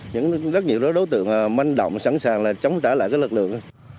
những rất nhiều đối tượng manh động sẵn sàng là chống trả lại các lực lượng